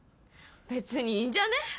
別にいいんじゃね